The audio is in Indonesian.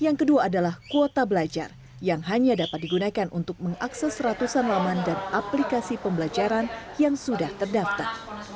yang kedua adalah kuota belajar yang hanya dapat digunakan untuk mengakses ratusan laman dan aplikasi pembelajaran yang sudah terdaftar